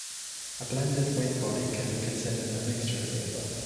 A blended wing body can be considered a mixture of the above.